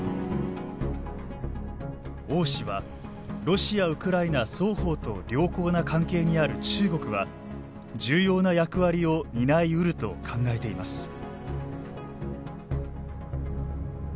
王氏はロシア・ウクライナ双方と良好な関係にある中国は重要な役割を担い得ると考えています。